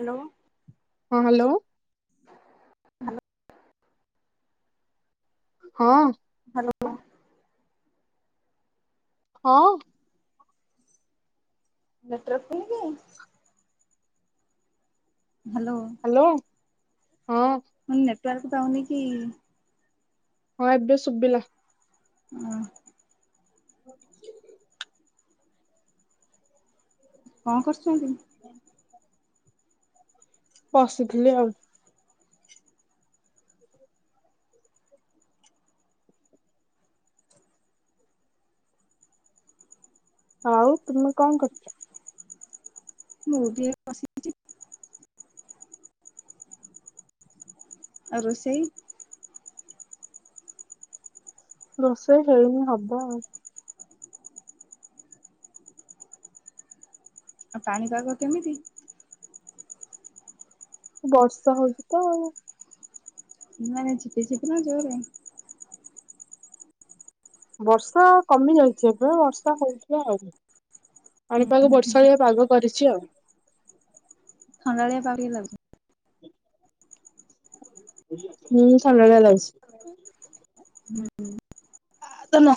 Hello ହଁ hello hello ହଁ hello ହଁ ନେଟୱର୍କ ପାଉନିକି? ହ୍ୟାଲୋ ହ୍ୟାଲୋ ହଁ ମୁଁ କଇନି ନେଟୱାର୍କ ପାଉନି କି? ହଁ ଏବେ ଶୁବିଲା। ହୁଁ ହ [unintelligible] କଣ କରୁଚନ୍ତି। ହୁଁ [unintelligible] ବସିଥିଲି ଆଉ। ଆଉ ତୁମେ କଣ କରୁଛ ମୁଁ ବି ବସିଛି। ଆଉ ରୋଷେଇ ରୋଷେଇ ହେଇନି ହବ ଆଉ ଆଉ ପାଣିପାଗ କେମିତି ବର୍ଷା ହଉଛି ତ ଆଉ ମାନେ ଝପିଝିପି ନା ଜୋର ବର୍ଷା କମି ଯାଇଛି ଏବେ ବର୍ଷା ହଉଛି ଆହୁରି ଉଁ ପାଣିପଖକୁ ହୁଁ ବର୍ଷାଳିଆ ପାଗ କରିଛି ଆଉ ଥଣ୍ଡା ଳିଆ ଲାଗେ ହଁ ଥଣ୍ଡାକିଆ ଲାଗାଉଛି ତ ନା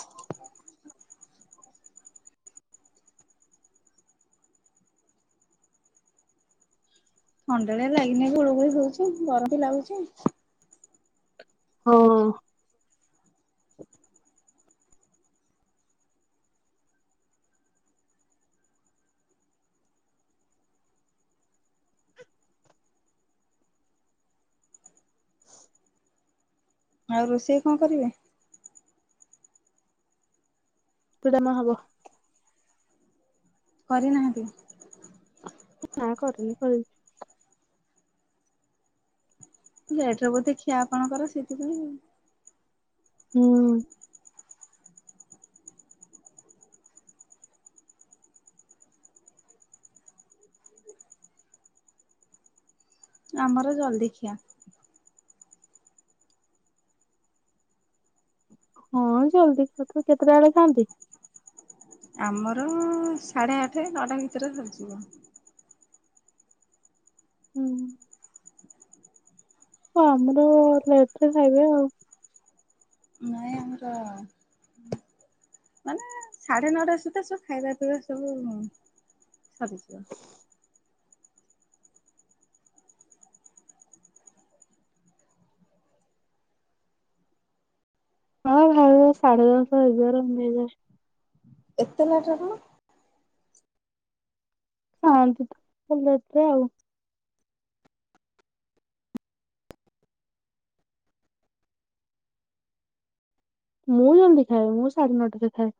ଥଣ୍ଡାଳିଆ ଲାଗିନି ଗୋଳୁଗୁଳି ହଉଛି ଗରମ ବି ଲାଗୁଛି ହଁ ଆଉ ରୋଷେଇ କଣ କରିବେ? ୁ ଟମା ହବ [unintelligible] କରିନାହାନ୍ତି। ନାଁ କରନି କହି ଲେଟରେ ବୋଧେ ଖିଆ ଆପଣଙ୍କର ସେଥିପାଇଁ। ହୁଁ। ଆମର ଜଲ୍ଦୀ ଖିଆ। ହଁ ଜଲ୍ଦି କେତେଟା ବେଳେ ଖଥାଆନ୍ତି। ଆମର ସାଢେ ଆଠ ନଟା ଭିତରେ ସରିଯିବ। ହୁଁ। ହଁ ଆମର ଲେଟ ରେ ଖାଇବେ ଆଉ। ନାଇଁ ଆମର [unintelligible] ସାଢ଼େ ନଅଟା ସୁଦ୍ଧା ସବୁ ଖାଇବା ପିଇବା ସବୁ ସରିଯି ହଁ ଭ ସେ ସାଢେ ଦଶହ ଏଜାର ନେଇଯାଏ ଏତେ ଲାଜ କଣ। ଶନ୍ତିୁ ତ ଭଲ ଏଥିରେ ଆଉ [unintelligible] ମୁଁ ଯେମିତି ଖାଏ ମୁଁ ସାଢେ ନଅଟାରେ ଖାଏ।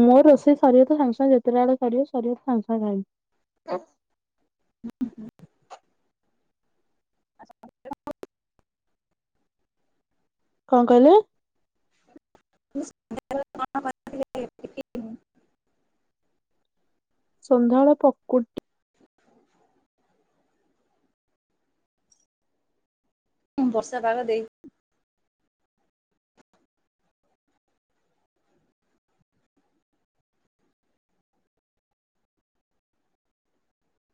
ମୋ ରୋଷେଇ ସରିବତ ସାଙ୍ଗେ ସାଙ୍ଗେ ଯେତେ ଟା ବେଳେ ସରିବ ସାଙ୍ଗେ ସାଙ୍ଗେ ଖାଇବି। କଣ କହିଲେ। [unintelligible] ସନ୍ଧ୍ୟା ବେଳେ ପକୁଡି ଟି ହଁ ବର୍ଷା ପାଗ ଦେଇଛି।